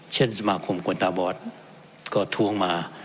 เช่นสมาคมกวนตาบอดก็ทวงมา